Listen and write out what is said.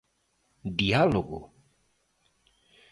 ¿Diálogo?